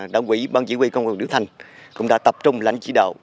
đạo quỹ ban chỉ huy công an đú thành cũng đã tập trung lãnh chỉ đạo